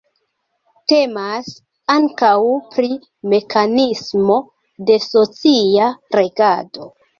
Temas ankaŭ pri mekanismo de socia regado.